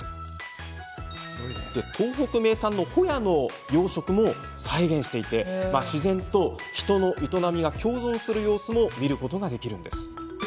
東北名産のホヤの養殖も再現していて自然と人の営みが共存する様子も見ることができます。